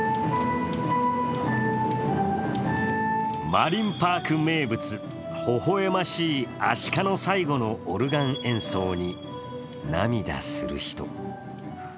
マリンパーク名物、ほほえましいアシカの最後のオルガン演奏に涙する人も。